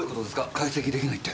解析できないって。